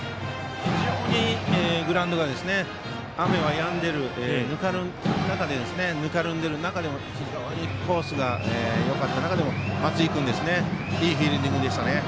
非常にグラウンドが雨はやんでいますがぬかるんでいる中で非常にコースがよかった中で松井君いいフィールディングでした。